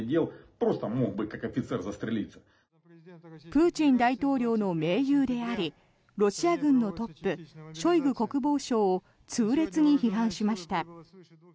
プーチン大統領の盟友でありロシア軍のトップショイグ国防相を痛烈に批判しました。